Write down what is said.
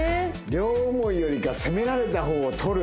両思いよりか攻められた方を取る。